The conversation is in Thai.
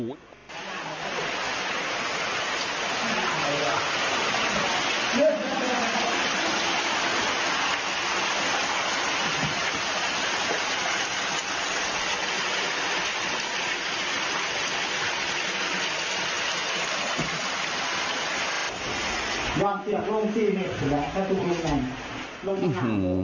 อื้อฮือ